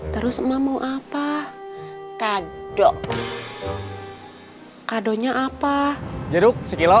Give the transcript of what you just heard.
terus mau apa kado kado nya apa jaduk sekilo